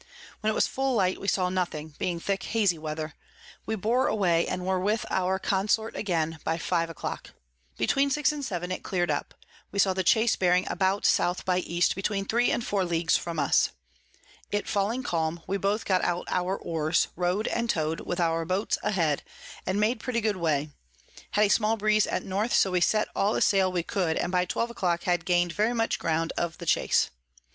When it was full light we saw nothing, being thick hazy Weather: we bore away, and were with our Consort again by five a clock. Between six and seven it clear'd up: we saw the Chase bearing about S by E. between 3 and 4 Ls. from us. It falling calm, we both got out our Oars, row'd and tow'd, with our Boats a head, and made pretty good way; had a small Breeze at North, so we set all the Sail we could, and by twelve a clock had gain'd very much ground of the Chase.